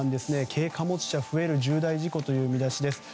軽貨物車増える、重大事故という見出しです。